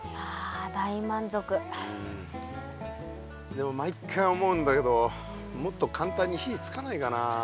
でも毎回思うんだけどもっとかんたんに火つかないかな。